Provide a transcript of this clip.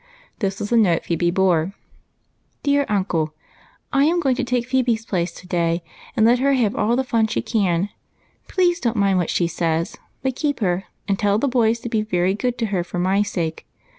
This was the note Phebe bore: — "Dear Uncle, — I am going to take Phebe's place to day, and let her have all the fun she can. Please don't mind what she says, but keep her, and tell the boys to be very good to her for my sake.